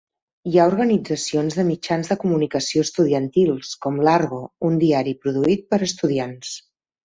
Hi ha organitzacions de mitjans de comunicació estudiantils, com "l'Argo", un diari produït per estudiants.